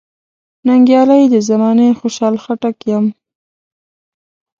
ننګیالی د زمانې خوشحال خټک یم .